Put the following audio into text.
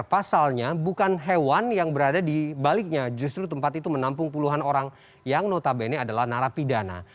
pasalnya bukan hewan yang berada di baliknya justru tempat itu menampung puluhan orang yang notabene adalah narapidana